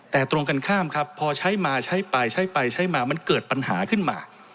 แต่ตรงกันข้ามครับพอใช้มาใช้ไปใช้ไปใช้มามันเกิดปัญหาขึ้นมา